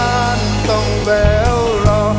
ฉันต้องแบวรอ